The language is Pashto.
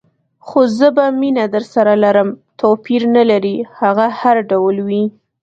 خو زه به مینه درسره لرم، توپیر نه لري هغه هر ډول وي.